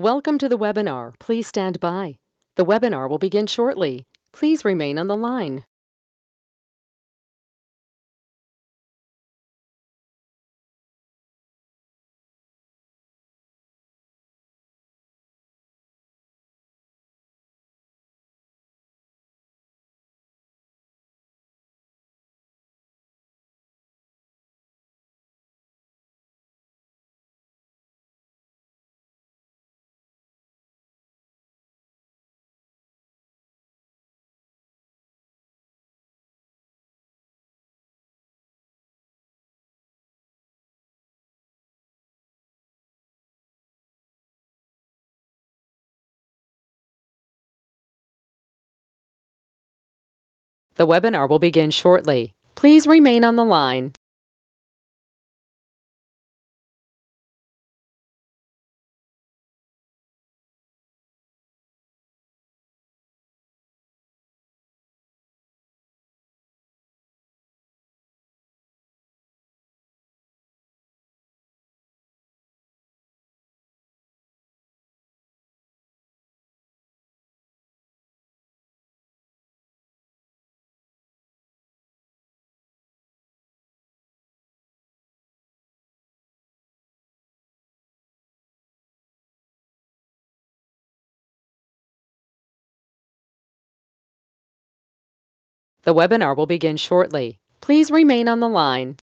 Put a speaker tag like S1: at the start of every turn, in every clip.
S1: Welcome to the webinar. Please stand by. The webinar will begin shortly. Please remain on the line. The webinar will begin shortly. Please remain on the line.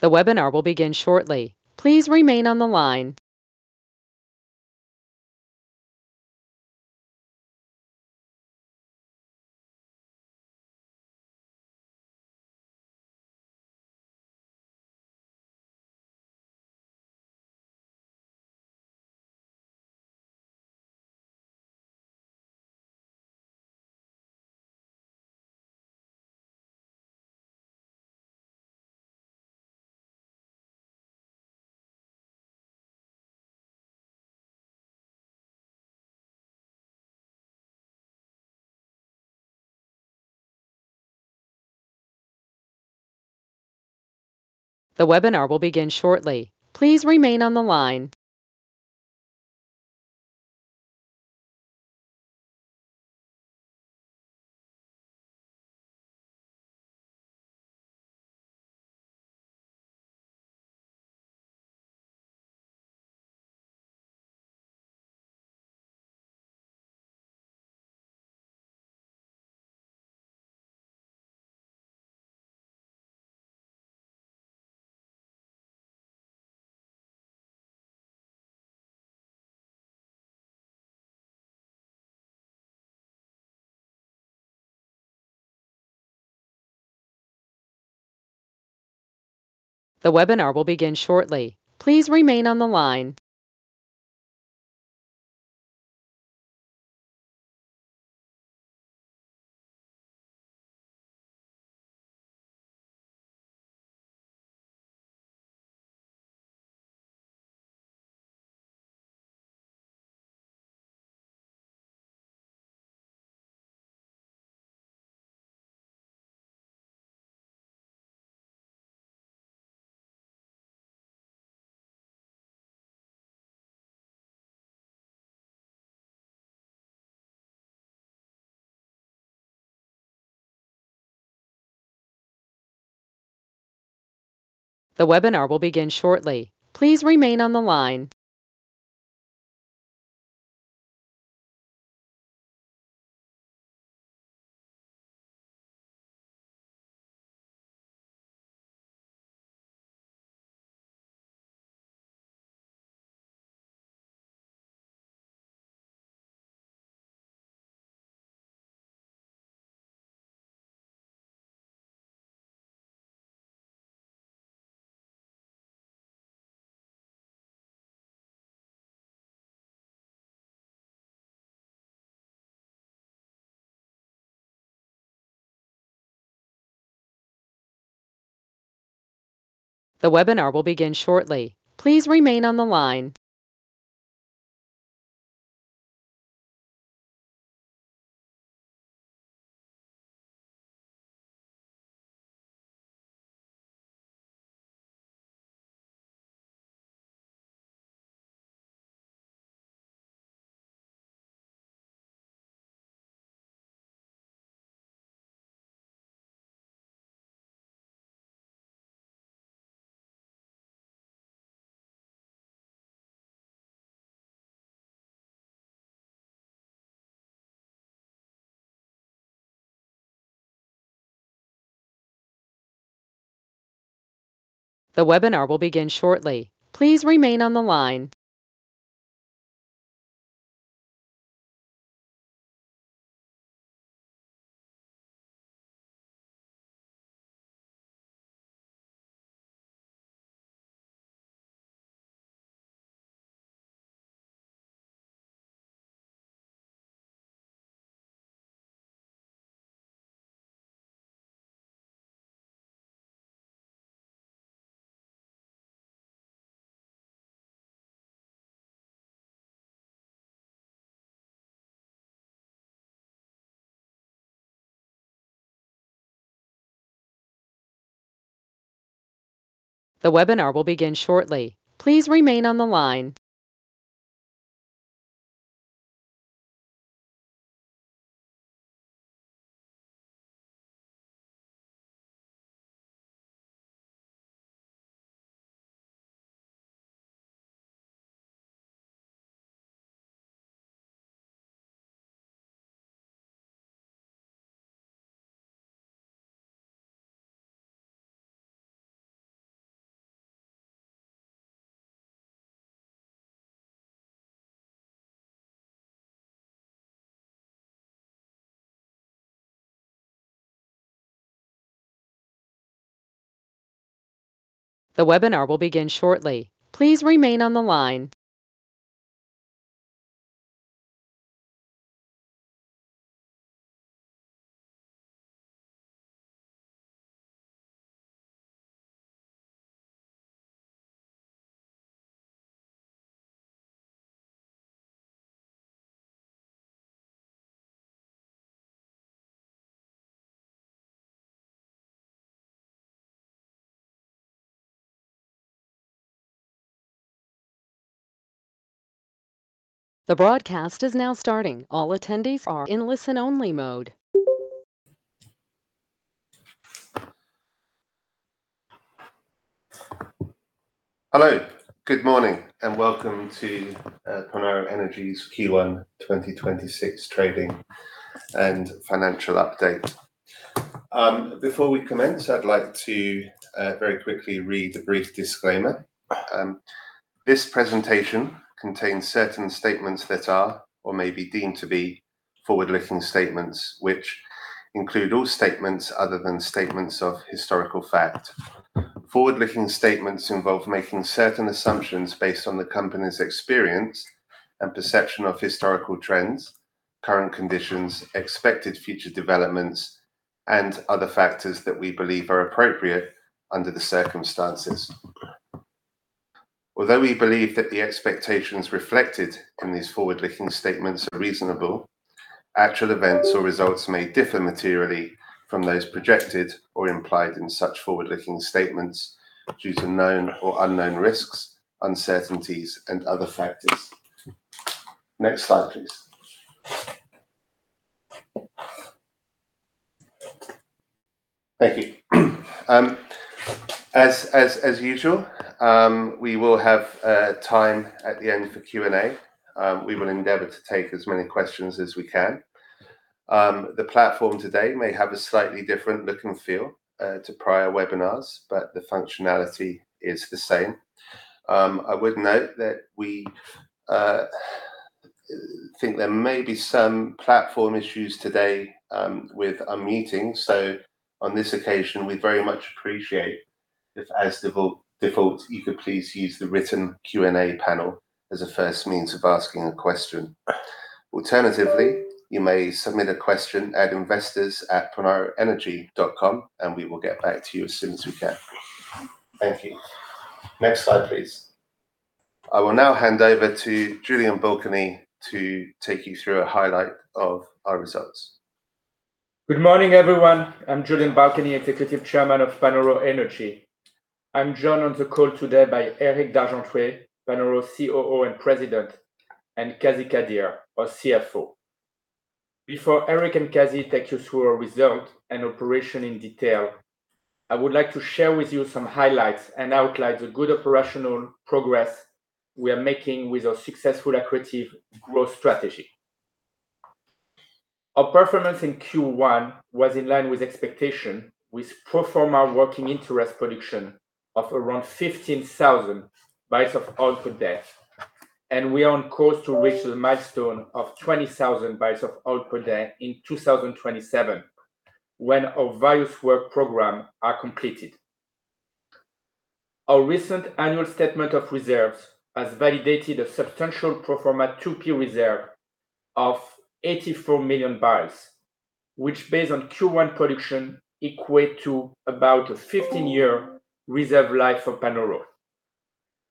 S1: The webinar will begin shortly. Please remain on the line. The webinar will begin shortly. Please remain on the line. The webinar will begin shortly. Please remain on the line. The webinar will begin shortly. Please remain on the line. The webinar will begin shortly. Please remain on the line. The webinar will begin shortly. Please remain on the line. The webinar will begin shortly. Please remain on the line. The webinar will begin shortly. Please remain on the line. The broadcast is now starting. All attendees are in listen only mode.
S2: Hello. Good morning, welcome to Panoro Energy's Q1 2026 trading and financial update. Before we commence, I'd like to very quickly read a brief disclaimer. This presentation contains certain statements that are, or may be deemed to be, forward-looking statements, which include all statements other than statements of historical fact. Forward-looking statements involve making certain assumptions based on the company's experience and perception of historical trends, current conditions, expected future developments, and other factors that we believe are appropriate under the circumstances. Although we believe that the expectations reflected in these forward-looking statements are reasonable, actual events or results may differ materially from those projected or implied in such forward-looking statements due to known or unknown risks, uncertainties, and other factors. Next slide, please. Thank you. As usual, we will have time at the end for Q&A. We will endeavor to take as many questions as we can. The platform today may have a slightly different look and feel to prior webinars, but the functionality is the same. I would note that we think there may be some platform issues today with our meeting, so on this occasion, we very much appreciate if as default you could please use the written Q&A panel as a first means of asking a question. Alternatively, you may submit a question at investors@panoroenergy.com and we will get back to you as soon as we can. Thank you. Next slide, please. I will now hand over to Julien Balkany to take you through a highlight of our results.
S3: Good morning, everyone. I'm Julien Balkany, Executive Chairman of Panoro Energy. I'm joined on the call today by Eric d'Argentré, Panoro's COO and President, and Qazi Qadeer, our CFO. Before Eric and Qazi take you through our result and operation in detail, I would like to share with you some highlights and outline the good operational progress we are making with our successful accretive growth strategy. Our performance in Q1 was in line with expectation with pro forma working interest production of around 15,000 barrels of oil per day, and we are on course to reach the milestone of 20,000 barrels of oil per day in 2027, when our various work program is completed. Our recent annual statement of reserves has validated a substantial pro forma 2P reserve of 84 million barrels, which based on Q1 production equate to about a 15-year reserve life for Panoro.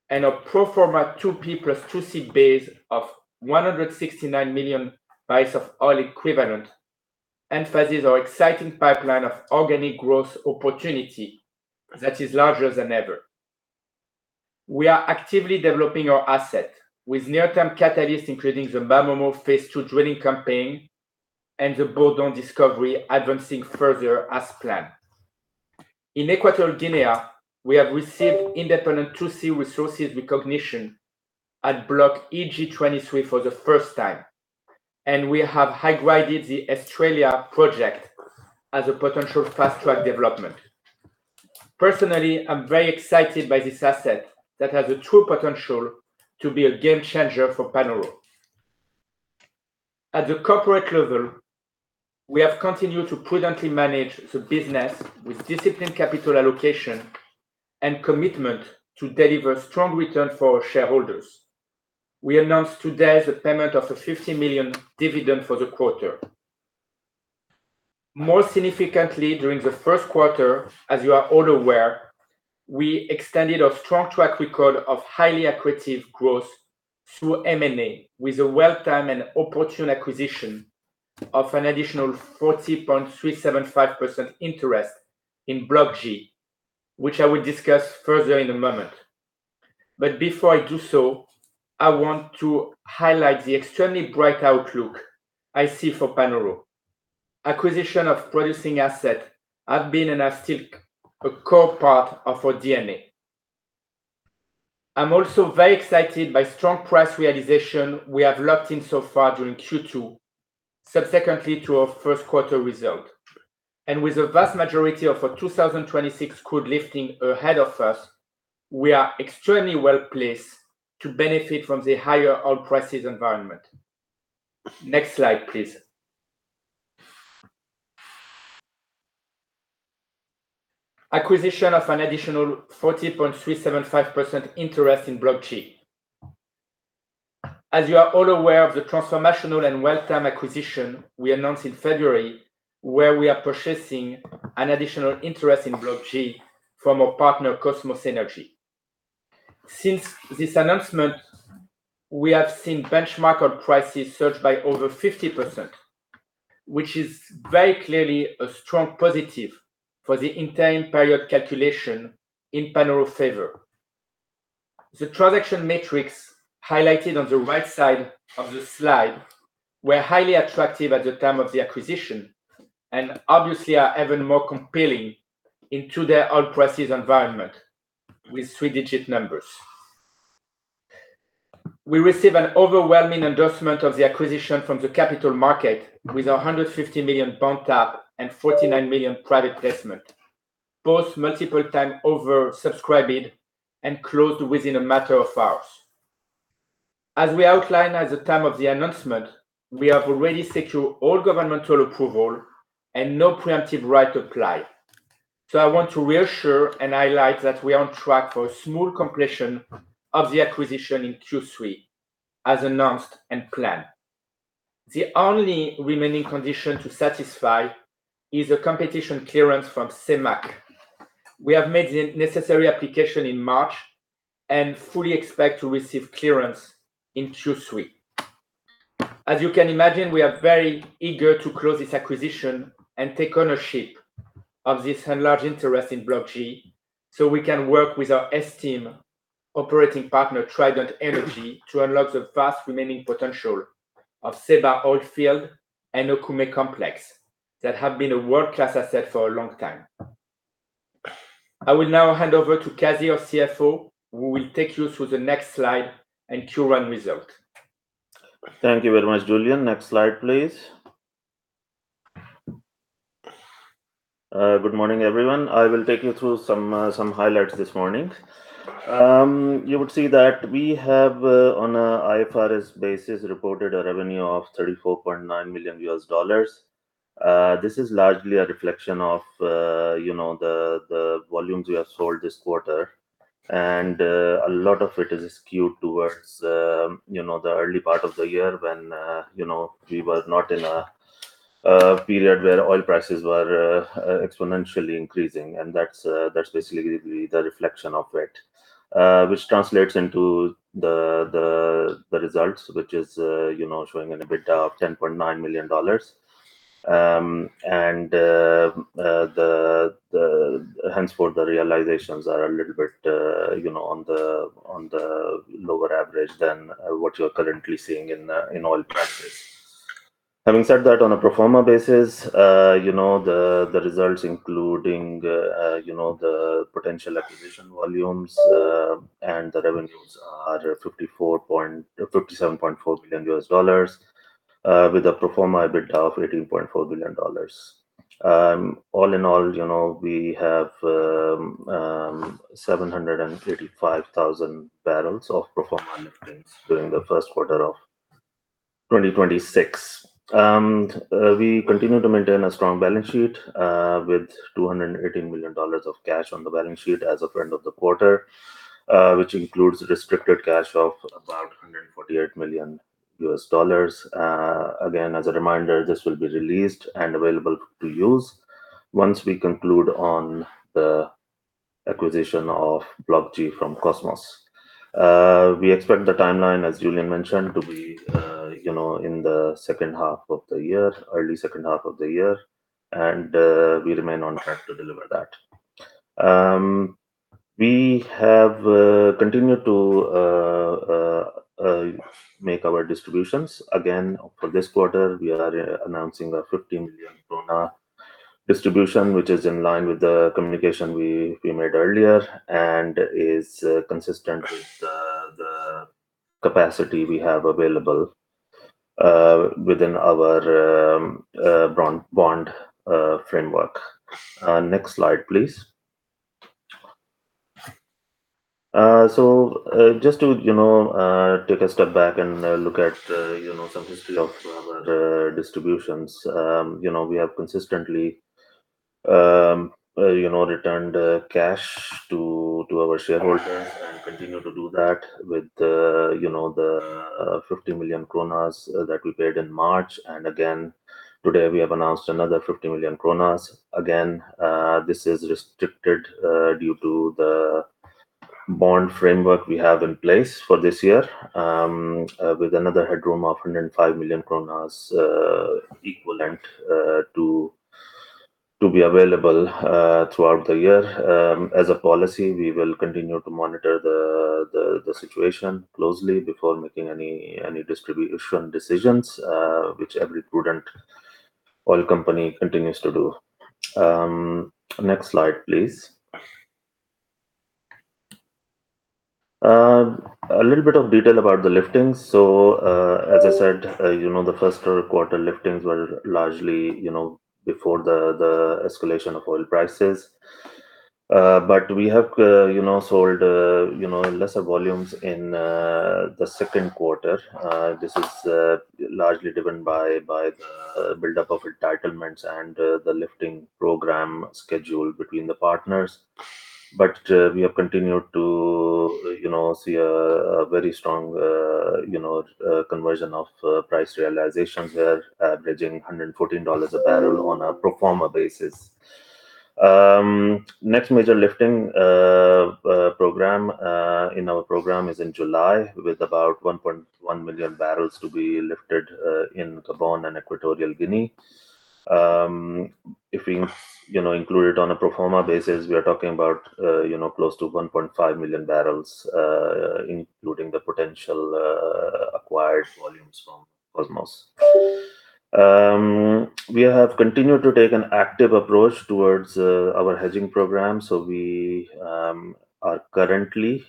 S3: A pro forma 2P plus 2C base of 169 million barrels of oil equivalent emphasizes our exciting pipeline of organic growth opportunity that is larger than ever. We are actively developing our asset with near-term catalysts including the MaBoMo Phase II drilling campaign and the Bourdon discovery advancing further as planned. In Equatorial Guinea, we have received independent 2C resources recognition at Block EG-23 for the first time. We have high-graded the Estrella project as a potential fast-track development. Personally, I'm very excited by this asset that has a true potential to be a game changer for Panoro. At the corporate level, we have continued to prudently manage the business with disciplined capital allocation and commitment to deliver strong return for our shareholders. We announced today the payment of a 50 million dividend for the quarter. More significantly, during the Q1, as you are all aware, we extended a strong track record of highly accretive growth through M&A, with a well-timed and opportune acquisition of an additional 40.375% interest in Block G, which I will discuss further in a moment. Before I do so, I want to highlight the extremely bright outlook I see for Panoro. Acquisition of producing asset have been and are still a core part of our DNA. I'm also very excited by strong price realization we have locked in so far during Q2, subsequently to our Q1 result. With the vast majority of our 2026 crude lifting ahead of us, we are extremely well-placed to benefit from the higher oil prices environment. Next slide, please. Acquisition of an additional 40.375% interest in Block G. As you are all aware of the transformational and well-timed acquisition we announced in February, where we are purchasing an additional interest in Block G from our partner, Kosmos Energy. Since this announcement, we have seen benchmark oil prices surge by over 50%, which is very clearly a strong positive for the entire period calculation in Panoro's favor. The transaction metrics highlighted on the right side of the slide were highly attractive at the time of the acquisition. Obviously, are even more compelling into their oil prices environment with three-digit numbers. We received an overwhelming endorsement of the acquisition from the capital market with a $150 million bond tap and a $49 million private placement, both multiple times oversubscribed and closed within a matter of hours. As we outlined at the time of the announcement, we have already secured all governmental approval and no preemptive right apply. I want to reassure and highlight that we are on track for a smooth completion of the acquisition in Q3, as announced and planned. The only remaining condition to satisfy is a competition clearance from CEMAC. We have made the necessary application in March and fully expect to receive clearance in Q3. As you can imagine, we are very eager to close this acquisition and take ownership of this enlarged interest in Block G so we can work with our esteemed operating partner, Trident Energy, to unlock the vast remaining potential of Ceiba oil field and Okume Complex that have been a world-class asset for a long time. I will now hand over to Qazi, our CFO, who will take you through the next slide and Q1 result.
S4: Thank you very much, Julien. Next slide, please. Good morning, everyone. I will take you through some highlights this morning. You would see that we have, on an IFRS basis, reported a revenue of $34.9 million. This is largely a reflection of the volumes we have sold this quarter. A lot of it is skewed towards the early part of the year when we were not in a period where oil prices were exponentially increasing. That's basically the reflection of it, which translates into the results, which is showing an EBITDA of $10.9 million. Henceforth, the realizations are a little bit on the lower average than what you're currently seeing in oil prices. Having said that, on a pro forma basis, the results including the potential acquisition volumes and the revenues are $57.4 million US with a pro forma EBITDA of $18.4 million. All in all, we have 735,000 barrels of pro forma net sales during the Q1 of 2026. We continue to maintain a strong balance sheet with $218 million of cash on the balance sheet as of end of the quarter, which includes restricted cash of about $148 million US. As a reminder, this will be released and available to use once we conclude on the acquisition of Block G from Kosmos. We expect the timeline, as Julien mentioned, to be in the early H2 of the year, we remain on track to deliver that. We have continued to make our distributions. For this quarter, we are announcing a $50 million pro rata distribution, which is in line with the communication we made earlier and is consistent with the capacity we have available within our bond framework. Next slide, please. Just to take a step back and look at some history of our distributions. We have consistently returned cash to our shareholders and continue to do that with the 50 million kroner that we paid in March. Again, today, we have announced another 50 million kroner. Again, this is restricted due to the bond framework we have in place for this year, with another headroom of 105 million kroner equivalent to be available throughout the year. As a policy, we will continue to monitor the situation closely before making any distribution decisions, which every prudent oil company continues to do. Next slide, please. A little bit of detail about the liftings. As I said, the Q1 liftings were largely before the escalation of oil prices. We have sold lesser volumes in the Q2. This is largely driven by the buildup of entitlements and the lifting program schedule between the partners. We have continued to see a very strong conversion of price realizations here, averaging $114 a barrel on a pro forma basis. Next major lifting program in our program is in July, with about 1.1 million barrels to be lifted in Gabon and Equatorial Guinea. If we include it on a pro forma basis, we are talking about close to 1.5 million barrels, including the potential acquired volumes from Kosmos. We have continued to take an active approach towards our hedging program. We are currently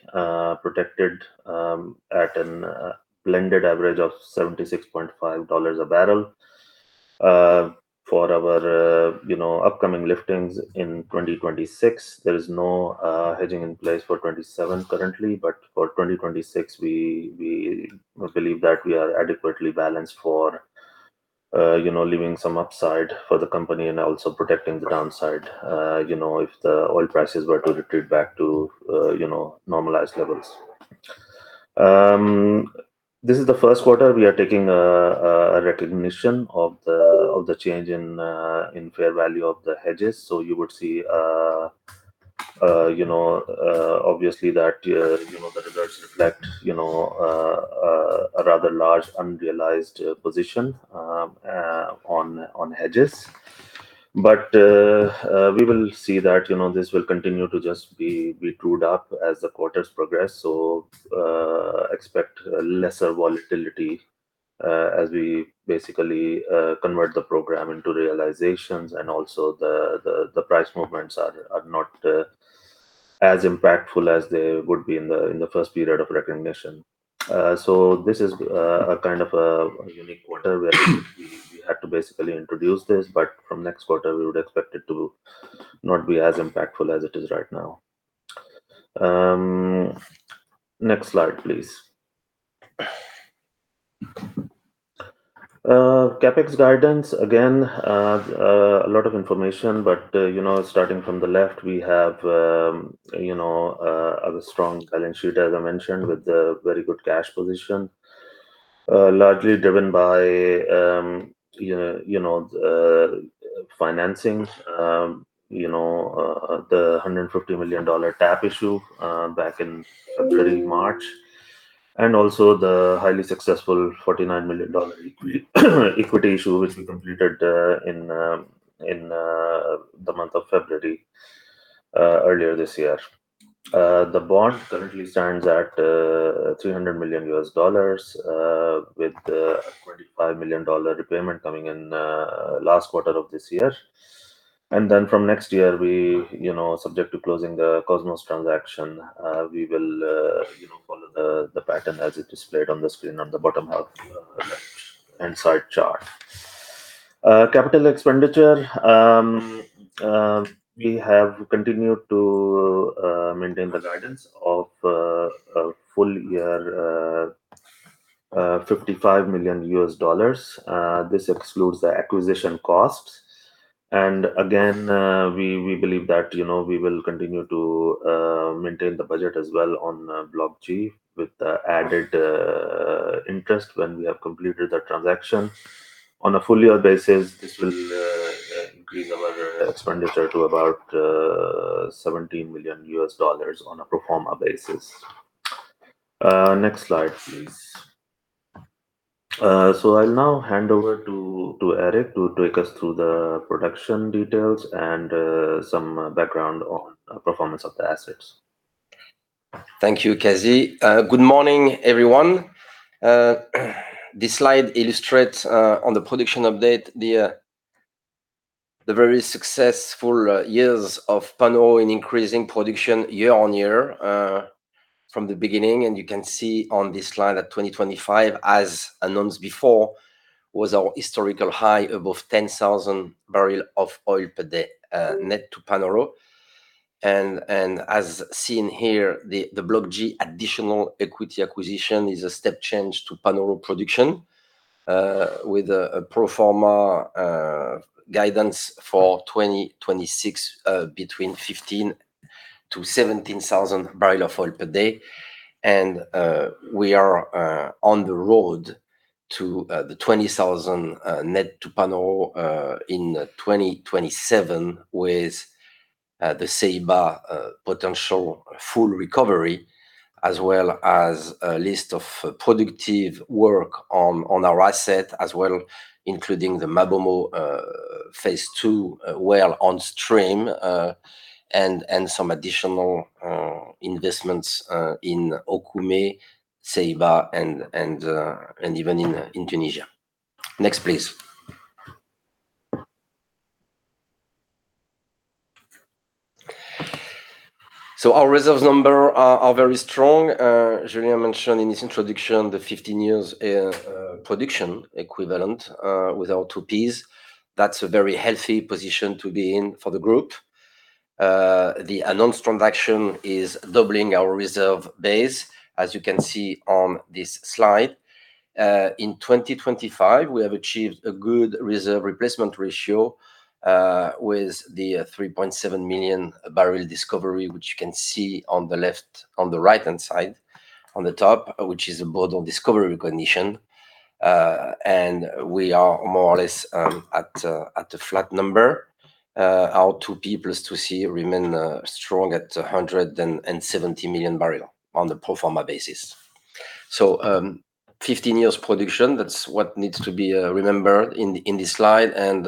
S4: protected at a blended average of $76.50 a barrel for our upcoming liftings in 2026. There is no hedging in place for 2027 currently, but for 2026, we believe that we are adequately balanced for leaving some upside for the company and also protecting the downside if the oil prices were to retreat back to normalized levels. This is the Q1 we are taking a recognition of the change in fair value of the hedges. You would see, obviously that the results reflect a rather large, unrealized position on hedges. We will see that this will continue to just be trued up as the quarters progress. Expect lesser volatility as we basically convert the program into realizations and also the price movements are not as impactful as they would be in the first period of recognition. This is a kind of a unique quarter where we had to basically introduce this, but from next quarter, we would expect it to not be as impactful as it is right now. Next slide, please. CapEx guidance, again, a lot of information, but starting from the left, we have a strong balance sheet, as I mentioned, with a very good cash position, largely driven by financings. The $150 million tap issue back in March, and also the highly successful $49 million equity issue, which we completed in the month of February earlier this year. The bond currently stands at $300 million with a $25 million repayment coming in last quarter of this year. Then from next year, subject to closing the Kosmos transaction, we will follow the pattern as it is displayed on the screen on the bottom half left-hand side chart. Capital expenditure. We have continued to maintain the guidance of a full year $55 million. This excludes the acquisition costs. Again, we believe that we will continue to maintain the budget as well on Block G with the added interest when we have completed the transaction. On a full year basis, this will increase our expenditure to about $17 million on a pro forma basis. Next slide, please. I'll now hand over to Eric d'Argentré to take us through the production details and some background on performance of the assets.
S5: Thank you, Qazi. Good morning, everyone. This slide illustrates, on the production update, the very successful years of Panoro in increasing production year on year from the beginning. You can see on this slide that 2025, as announced before, was our historical high above 10,000 barrels of oil per day net to Panoro. As seen here, the Block G additional equity acquisition is a step change to Panoro production, with a pro forma guidance for 2026 of between 15,000-17,000 barrel of oil per day. We are on the road to the 20,000 nets to Panoro in 2027 with the Ceiba potential full recovery, as well as a list of productive work on our asset as well, including the MaBoMo Phase II well on stream, and some additional investments in Okume, Ceiba, and even in Tunisia. Next, please. Our reserves number are very strong. Julien mentioned in his introduction the 15 years' production equivalent with our 2Ps. That's a very healthy position to be in for the group. The announced transaction is doubling our reserve base, as you can see on this slide. In 2025, we have achieved a good reserve replacement ratio, with the 3.7-million-barrel discovery, which you can see on the right-hand side on the top, which is a Bourdon discovery recognition. We are more or less at a flat number. Our 2P plus 2C remain strong at 170 million barrels on the pro forma basis. 15 years' production, that's what needs to be remembered in this slide, and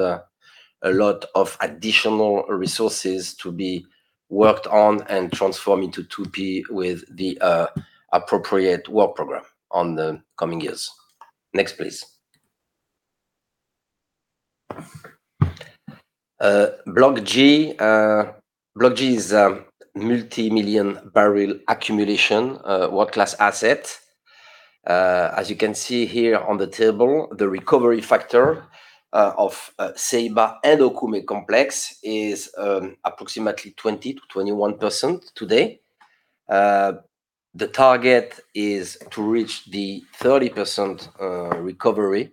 S5: a lot of additional resources to be worked on and transformed into 2P with the appropriate work program on the coming years. Next, please. Block G is a multimillion-barrel accumulation, world-class asset. As you can see here on the table, the recovery factor of Ceiba and Okume Complex is approximately 20%-21% today. The target is to reach the 30% recovery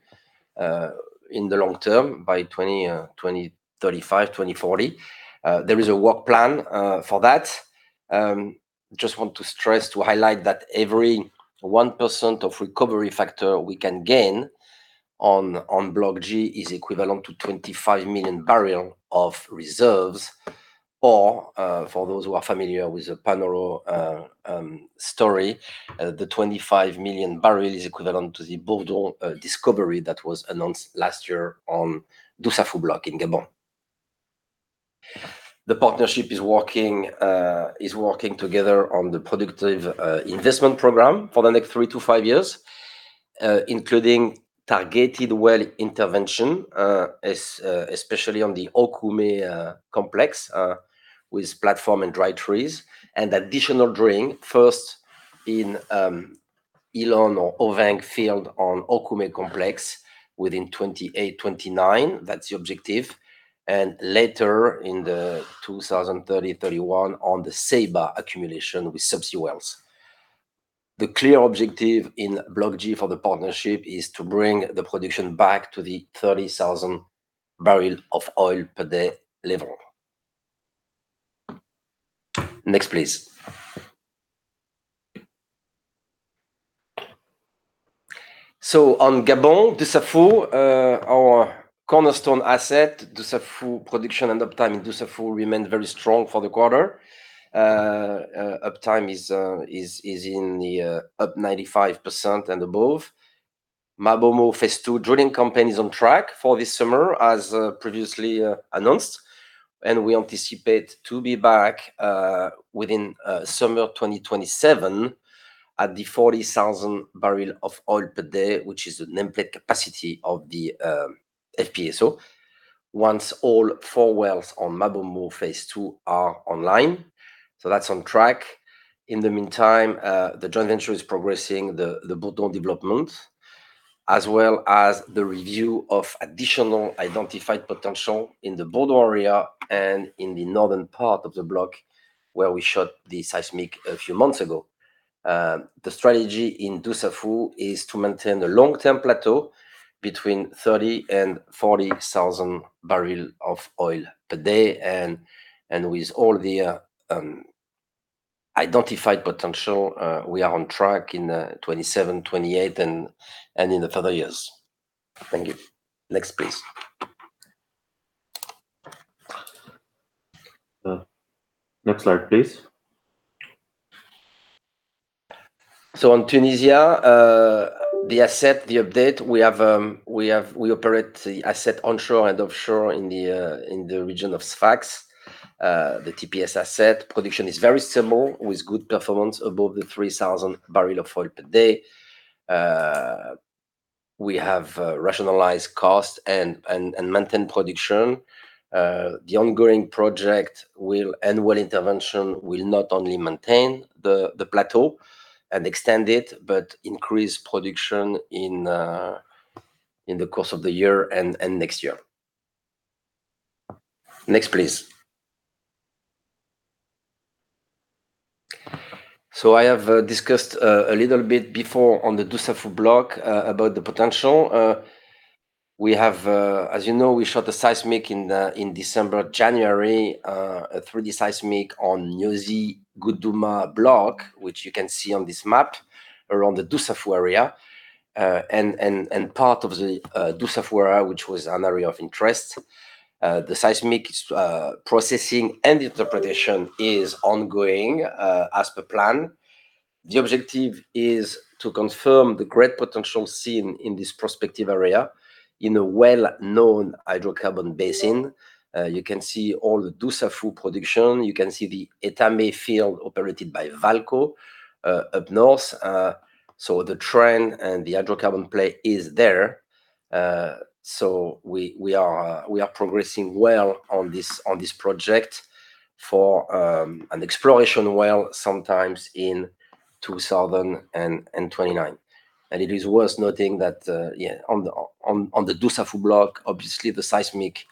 S5: in the long term by 2035, 2040. There is a work plan for that. Just want to stress, to highlight that every 1% of recovery factor we can gain on Block G is equivalent to $25 million barrel of reserves, or, for those who are familiar with the Panoro story, the $25 million barrel is equivalent to the Bourdon discovery that was announced last year on Dussafu block in Gabon. The partnership is working together on the productive investment program for the next three to five years, including targeted well intervention, especially on the Okume Complex, with platform and dry trees and additional drilling, first in Elon or Oveng field on Okume Complex within 2028, 2029. That's the objective. Later in the 2030, 2031 on the Ceiba accumulation with subsea wells. The clear objective in Block G for the partnership is to bring the production back to the 30,000 barrels of oil per day level. Next, please. On Gabon, Dussafu, our cornerstone asset, production and uptime in Dussafu remained very strong for the quarter. Uptime is in the up 95% and above. MaBoMo Phase II drilling campaign is on track for this summer, as previously announced, and we anticipate being back within summer 2027 at the 40,000 barrels of oil per day, which is the nameplate capacity of the FPSO, once all four wells on MaBoMo Phase II are online. That's on track. In the meantime, the joint venture is progressing the Bourdon development, as well as the review of additional identified potential in the Bourdon area and in the northern part of the block where we shot the seismic a few months ago. The strategy in Dussafu is to maintain a long-term plateau between 30,000 and 40,000 barrels of oil per day. With all the identified potential, we are on track in 2027, 2028, and in the further years. Thank you. Next, please. Next slide, please. In Tunisia, the asset, the update, we operate the asset onshore and offshore in the region of Sfax. The TPS asset production is very similar with good performance above the 3,000 barrels of oil per day. We have rationalized cost and maintain production. The ongoing project and well intervention will not only maintain the plateau and extend it but increase production in the course of the year and next year. Next, please. I have discussed a little bit before on the Dussafu block about the potential. As you know, we shot the seismic in December, January, a 3D seismic on new Guduma block, which you can see on this map around the Dussafu area. Part of the Dussafu area, which was an area of interest. The seismic processing and interpretation is ongoing as per plan. The objective is to confirm the great potential seen in this prospective area in a well-known hydrocarbon basin. You can see all the Dussafu production. You can see the Etame field operated by VAALCO Energy up north. The trend and the hydrocarbon play is there. We are progressing well on this project for an exploration well sometimes in 2029. It is worth noting that on the Dussafu block, obviously the seismic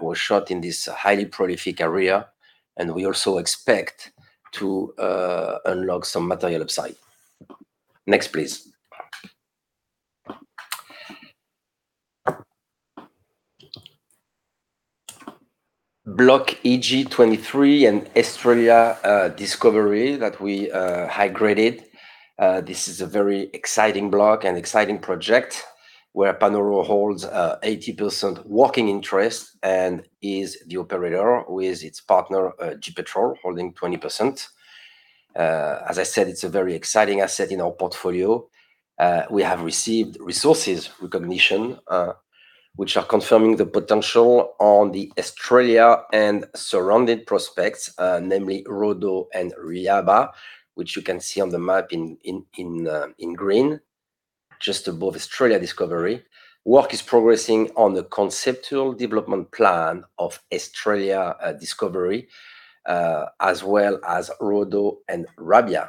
S5: was shot in this highly prolific area, and we also expect to unlock some material upside. Next, please. Block EG-23 and Estrella discovery that we high-graded. This is a very exciting block and exciting project where Panoro holds a 80% working interest and is the operator with its partner, GEPetrol, holding 20%. As I said, it's a very exciting asset in our portfolio. We have received resources recognition, which are confirming the potential on the Estrella and surrounding prospects, namely Rodo and Ryaba, which you can see on the map in green just above Estrella discovery. Work is progressing on the conceptual development plan of Estrella discovery, as well as Rodo and Ryaba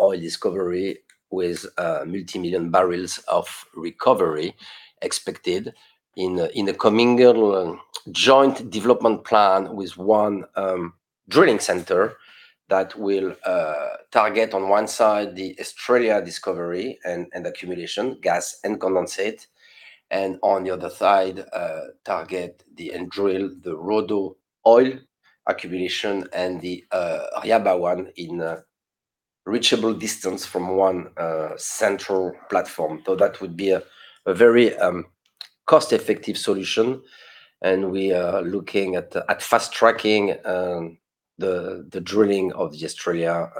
S5: oil discovery with multimillion barrels of recovery expected in the commingled joint development plan with one drilling center that will target on one side the Estrella discovery and accumulation gas and condensate, and on the other side, target and drill the Rodo oil accumulation and the Ryaba one in a reachable distance from one central platform. That would be a very cost-effective solution, and we are looking at fast-tracking the drilling of the Estrella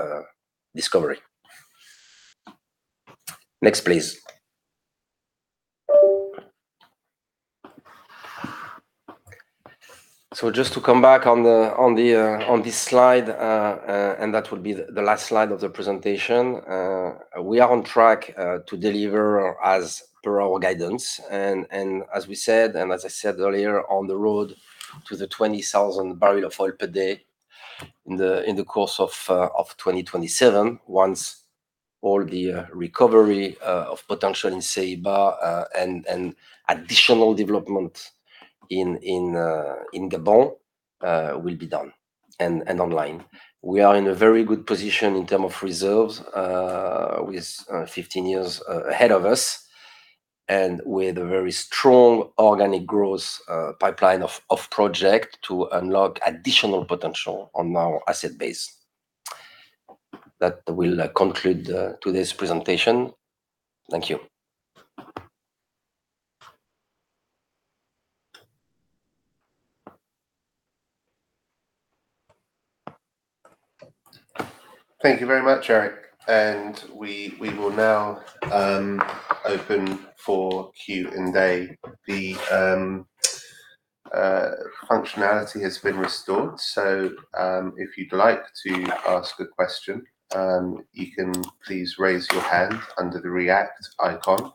S5: discovery. Next, please. Just to come back on this slide, and that will be the last slide of the presentation. We are on track to deliver as per our guidance. As we said, and as I said earlier, on the road to the 20,000 barrels of oil per day in the course of 2027, once all the recovery of potential in Ceiba and additional development in Gabon will be done and online. We are in a very good position in terms of reserves with 15 years ahead of us and with a very strong organic growth pipeline of projects to unlock additional potential on our asset base. That will conclude today's presentation. Thank you.
S2: Thank you very much, Eric. We will now open for Q&A. The functionality has been restored, so if you'd like to ask a question, you can please raise your hand under the react icon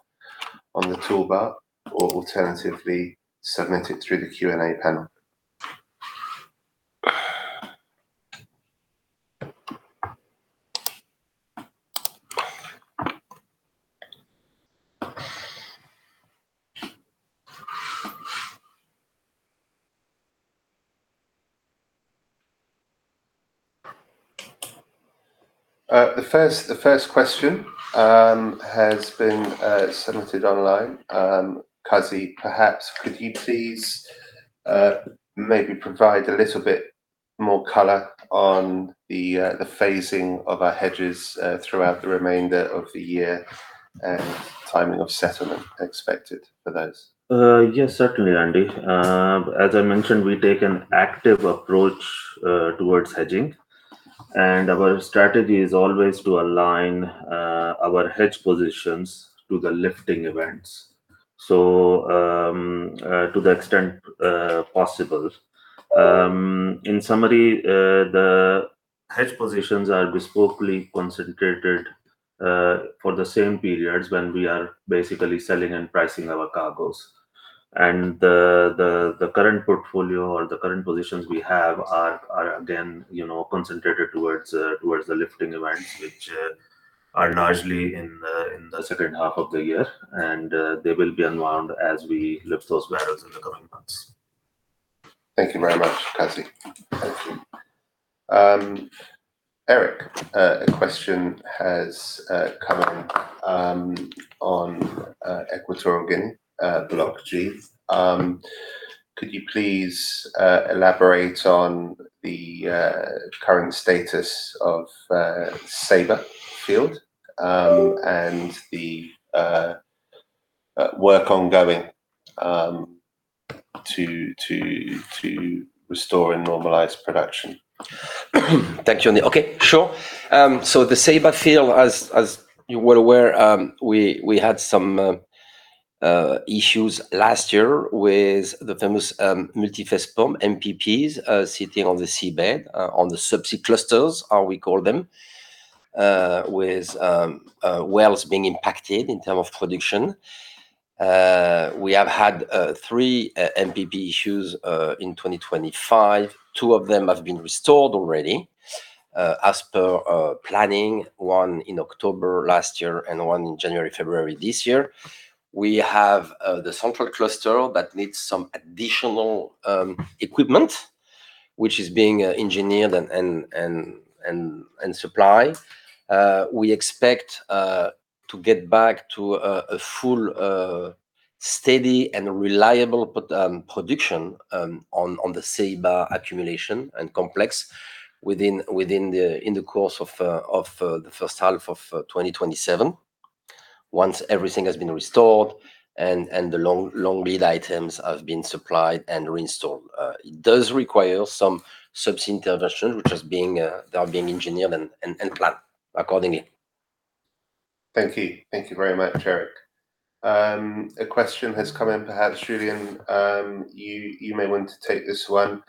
S2: on the toolbar, or alternatively, submit it through the Q&A panel. The first question has been submitted online. Qazi, perhaps could you please maybe provide a little bit more color on the phasing of our hedges throughout the remainder of the year? Timing of settlement expected for those?
S4: Yes, certainly, Andy. As I mentioned, we take an active approach towards hedging, and our strategy is always to align our hedge positions to the lifting events, so to the extent possible. In summary, the hedge positions are bespokely concentrated for the same periods when we are basically selling and pricing our cargoes. The current portfolio or the current positions we have are, again, concentrated towards the lifting events, which are largely in the H2 of the year, and they will be unwound as we lift those barrels in the coming months.
S2: Thank you very much, Qazi. Thank you. Eric, a question has come in on Equatorial Guinea, Block G. Could you please elaborate on the current status of Ceiba field and the work ongoing to restore and normalize production?
S5: Thank you, Andy. Okay, sure. The Ceiba field, as you were aware, we had some issues last year with the famous multi-phase pump, MPP, sitting on the seabed, on the subsea clusters, how we call them, with wells being impacted in terms of production. We have had three MPP issues in 2025. Two of them have been restored already. As per planning, one in October last year and one in January, February this year. We have the central cluster that needs some additional equipment, which is being engineered and supplied. We expect to get back to a full, steady, and reliable production on the Ceiba accumulation and complex in the course of the H1 of 2027 once everything has been restored and the long lead items have been supplied and reinstalled. It does require some subs intervention, which are being engineered and planned accordingly.
S2: Thank you. Thank you very much, Eric. A question has come in. Perhaps, Julien, you may want to take this one.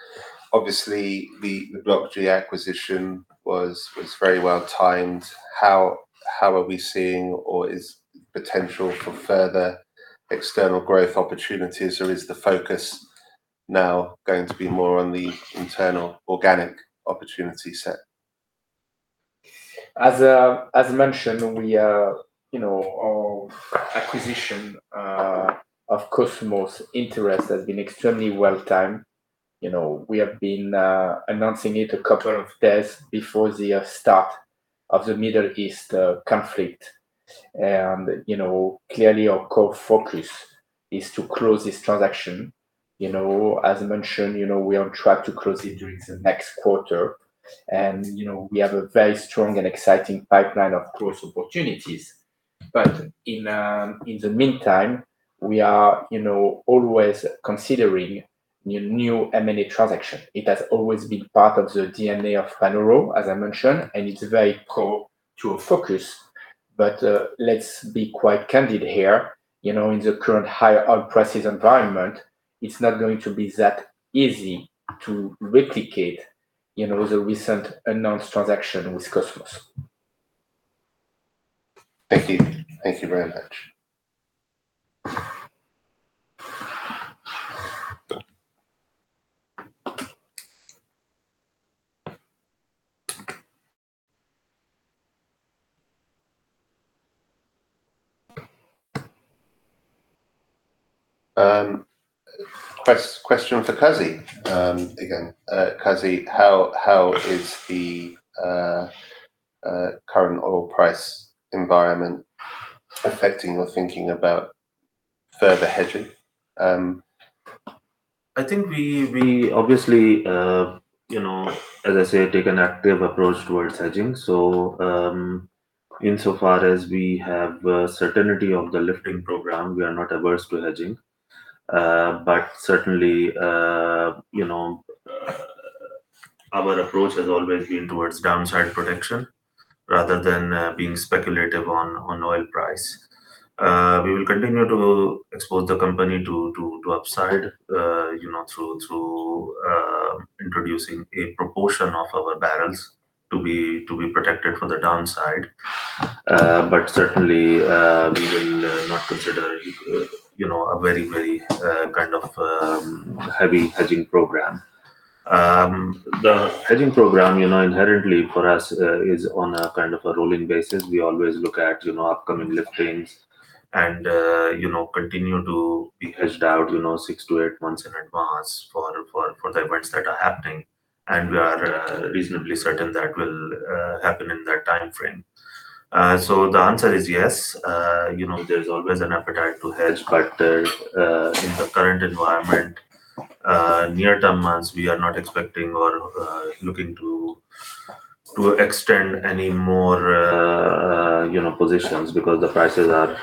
S2: Obviously, the Block G acquisition was very well timed. How are we seeing or is potential for further external growth opportunities, or is the focus now going to be more on the internal organic opportunity set?
S3: As mentioned, our acquisition of Kosmos Interest has been extremely well timed. We have been announcing it a couple of days before the start of the Middle East conflict. Clearly, our core focus is to close this transaction. As mentioned, we are on track to close it during the next quarter, and we have a very strong and exciting pipeline of growth opportunities. In the meantime, we are always considering new M&A transaction. It has always been part of the DNA of Panoro, as I mentioned, and it's a very core to our focus. Let's be quite candid here. In the current higher oil prices environment, it's not going to be that easy to replicate the recent announced transaction with Kosmos.
S2: Thank you. Thank you very much. Question for Qazi again. Qazi, how is the current oil price environment affecting your thinking about further hedging?
S4: I think we obviously, as I say, take an active approach towards hedging. Insofar as we have certainty of the lifting program, we are not averse to hedging. Certainly, our approach has always been towards downside protection rather than being speculative on oil price. We will continue to expose the company to upside through introducing a proportion of our barrels to be protected from the downside. Certainly, we will not consider a very kind of heavy hedging program. The hedging program inherently for us is on a kind of a rolling basis. We always look at upcoming liftings and continue to be hedged out six to eight months in advance for the events that are happening. We are reasonably certain that will happen in that timeframe. The answer is yes, there's always an appetite to hedge, but in the current environment, near-term months, we are not expecting or looking to extend any more positions because the prices are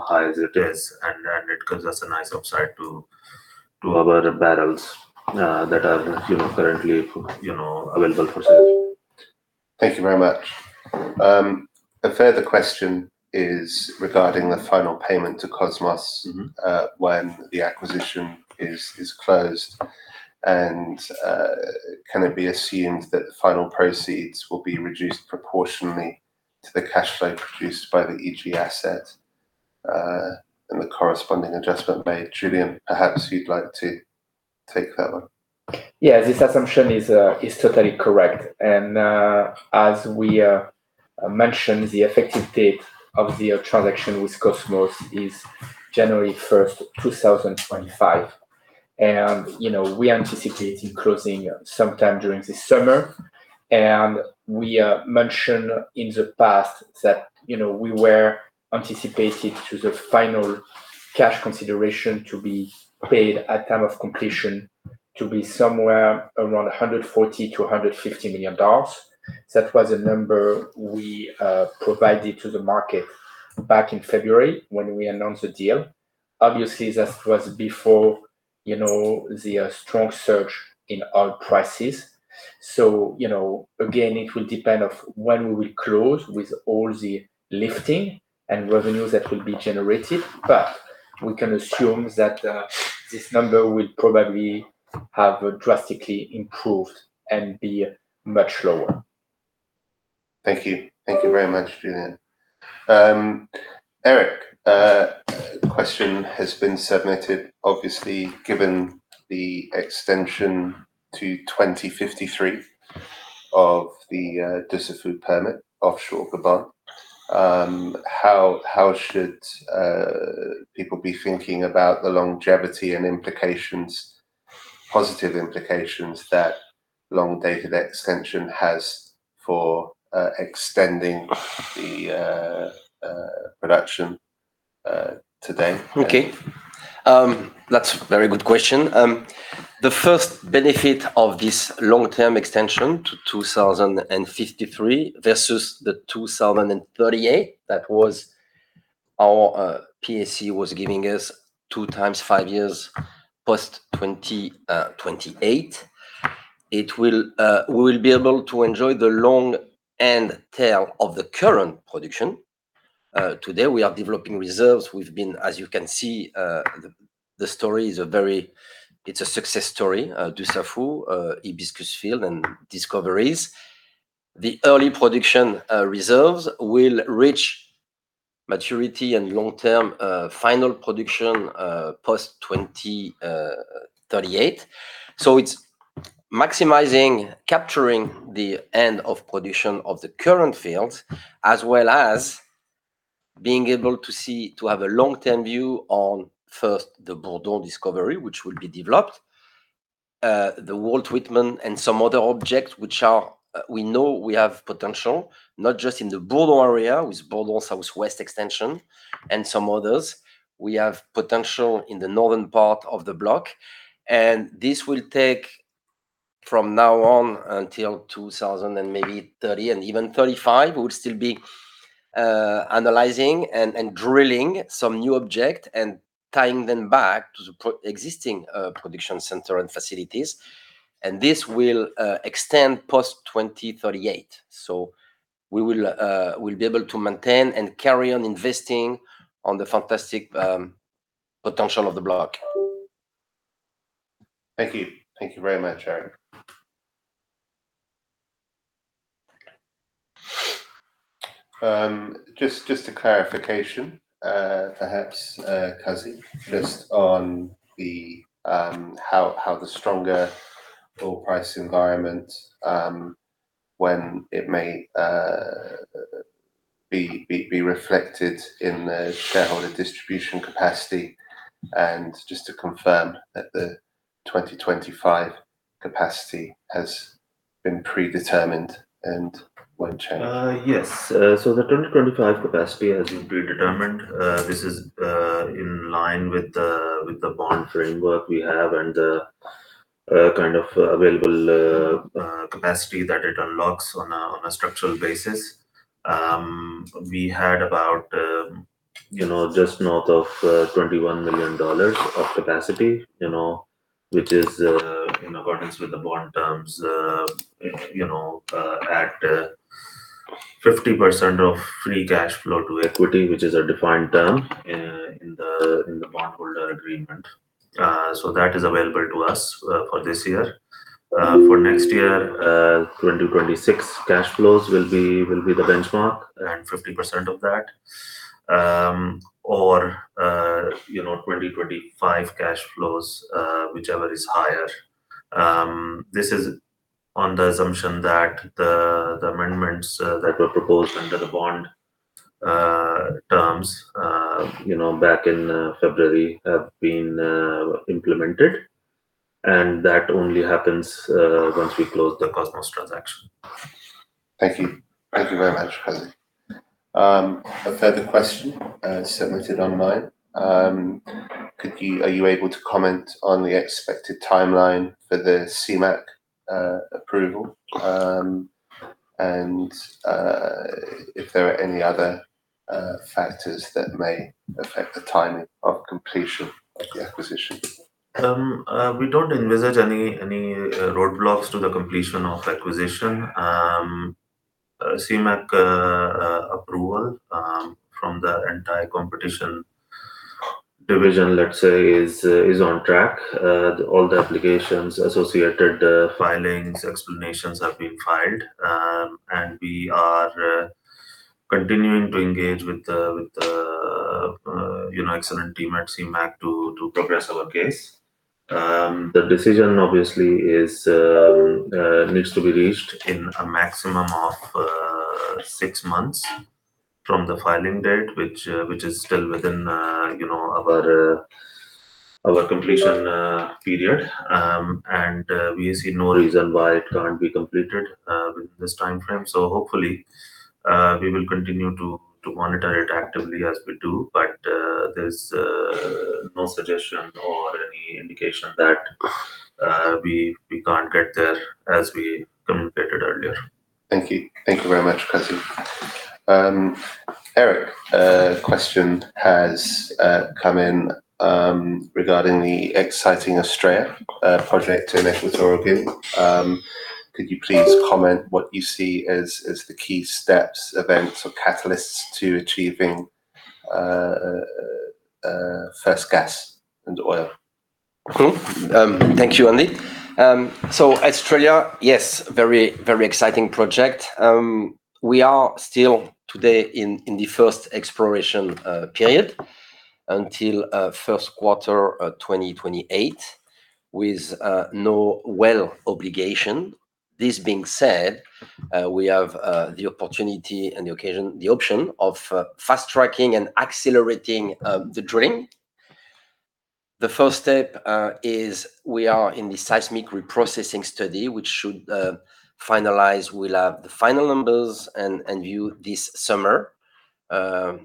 S4: high as it is, and it gives us a nice upside to our barrels that are currently available for sale.
S2: Thank you very much. A further question is regarding the final payment to Kosmos when the acquisition is closed, and can it be assumed that the final proceeds will be reduced proportionally to the cash flow produced by the EG asset and the corresponding adjustment made? Julien, perhaps you'd like to take that one.
S3: Yeah. This assumption is totally correct, and as we mentioned, the effective date of the transaction with Kosmos is January 1st, 2025. We're anticipating closing sometime during this summer. We mentioned in the past that we were anticipating to the final cash consideration to be paid at time of completion to be somewhere around $140-$150 million. That was a number we provided to the market back in February when we announced the deal. Obviously, that was before the strong surge in oil prices. Again, it will depend on when we will close with all the lifting and revenues that will be generated. We can assume that this number will probably have drastically improved and be much lower.
S2: Thank you. Thank you very much, Julien. Eric, a question has been submitted. Obviously, given the extension to 2053 of the Dussafu permit offshore Gabon, how should people be thinking about the longevity and positive implications that long date of extension has for extending the production today?
S5: Okay. That's a very good question. The first benefit of this long-term extension to 2053 versus the 2038 that our PSC was giving us, two times five years post 2028. We will be able to enjoy the long end tail of the current production. Today, we are developing reserves. As you can see, the story, it's a success story, Dussafu, Hibiscus field, and discoveries. The early production reserves will reach maturity and long-term final production post-2038. It's maximizing, capturing the end of production of the current fields as well as being able to have a long-term view on, first, the Bourdon discovery, which will be developed, the Walt Whitman, and some other objects which we know we have potential, not just in the Bourdon area with Bourdon Southwest Extension and some others. We have potential in the northern part of the block, and this will take from now on until 2000 and maybe 2030, and even 2035, we would still be analyzing and drilling some new object and tying them back to the existing production center and facilities. This will extend post-2038. We'll be able to maintain and carry on investing on the fantastic potential of the block.
S2: Thank you. Thank you very much, Eric. Just a clarification, perhaps, Qazi, just on how the stronger oil price environment, when it may be reflected in the shareholder distribution capacity, and just to confirm that the 2025 capacity has been predetermined and won't change.
S4: Yes. The 2025 capacity has been predetermined. This is in line with the bond framework we have and the kind of available capacity that it unlocks on a structural basis. We had about just north of $21 million of capacity, which is in accordance with the bond terms at 50% of free cash flow to equity, which is a defined term in the bondholder agreement. That is available to us for this year. For next year, 2026 cash flows will be the benchmark, and 50% of that, or 2025 cash flows, whichever is higher. This is on the assumption that the amendments that were proposed under the bond terms back in February have been implemented, and that only happens once we close the Kosmos transaction.
S2: Thank you. Thank you very much, Qazi. A further question submitted online. Are you able to comment on the expected timeline for the CEMAC approval, and if there are any other factors that may affect the timing of completion of the acquisition?
S4: We don't envisage any roadblocks to the completion of acquisition. CEMAC approval from the anti-competition division, let's say, is on track. All the applications, associated filings, explanations have been filed, and we are continuing to engage with the excellent team at CEMAC to progress our case. The decision obviously needs to be reached in a maximum of six months from the filing date which is still within our completion period. We see no reason why it can't be completed within this timeframe. Hopefully, we will continue to monitor it actively as we do, but there's no suggestion or any indication that we can't get there as we communicated earlier.
S2: Thank you. Thank you very much, Qazi. Eric, a question has come in regarding the exciting Estrella project in Equatorial Guinea. Could you please comment what you see as the key steps, events, or catalysts to achieving first gas and oil?
S5: Sure. Thank you, Andy. Estrella, yes, very exciting project. We are still today in the first exploration period until Q1 2028 with no well obligation. This being said, we have the opportunity and the option of fast-tracking and accelerating the drilling. The first step is we are in the seismic reprocessing study, which should finalize. We'll have the final numbers and view this summer. I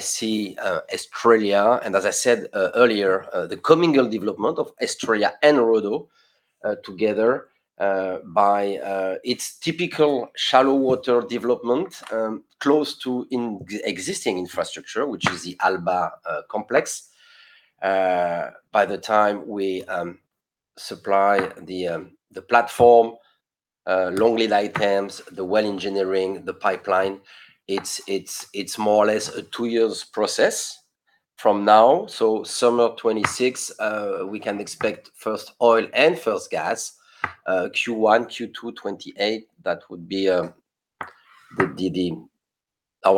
S5: see Estrella, and as I said earlier, the commingled development of Estrella and Rodo together by its typical shallow water development, close to existing infrastructure, which is the Alba Complex. By the time we supply the platform, long lead items, the well engineering, the pipeline, it's more or less a two years process from now. Summer of 2026, we can expect first oil and first gas, Q1, Q2 2028. That would be our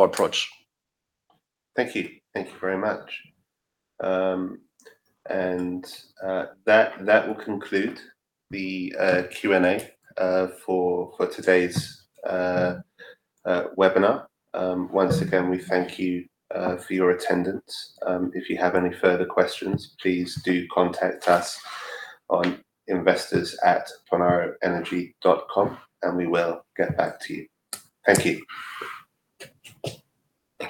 S5: approach.
S2: Thank you. Thank you very much. That will conclude the Q&A for today's webinar. Once again, we thank you for your attendance. If you have any further questions, please do contact us on investors@panoroenergy.com, and we will get back to you. Thank you.